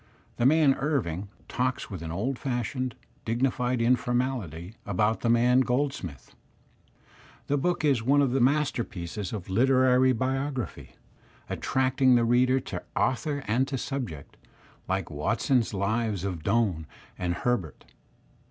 The man Irving, talks with an old fashioned, dignified in formality about the man Goldsmith. The book is one of the masterpieces of literary biography, attracting the reader to author and to subject, like Walton's lives of Doime and Herbert.